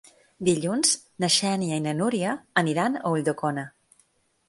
Dilluns na Xènia i na Núria aniran a Ulldecona.